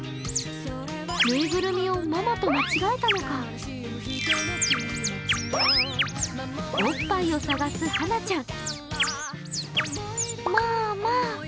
縫いぐるみをママと間違えたのか、おっぱいを探すはなちゃん。